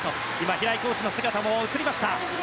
平井コーチの姿も映りました。